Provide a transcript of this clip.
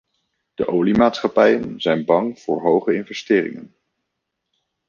De oliemaatschappijen zijn bang voor hoge investeringen.